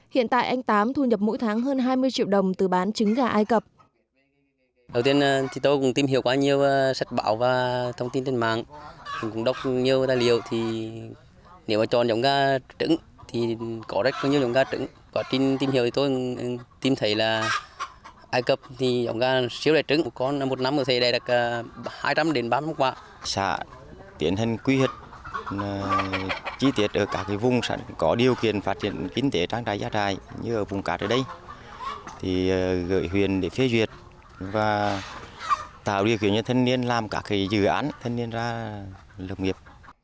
hiện tại anh tám thu nhập mỗi tháng hơn hai mươi triệu đồng từ bán trứng gà ai cập